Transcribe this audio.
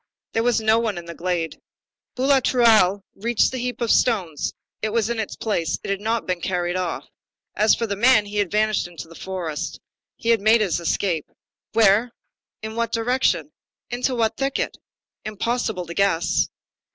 There was no one in the glade. Boulatruelle rushed to the heap of stones. It was in its place. It had not been carried off. As for the man, he had vanished in the forest. He had made his escape. Where? in what direction? into what thicket? Impossible to guess.